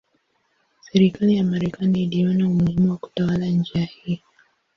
Serikali ya Marekani iliona umuhimu wa kutawala njia hii.